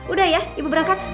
udah ya ibu berangkat